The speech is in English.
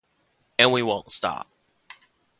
And we won’t stop.